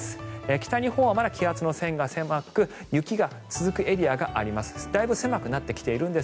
北日本はまだ気圧の線が狭く雪が続くエリアがあります。